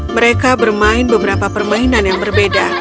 mereka bermain beberapa permainan yang berbeda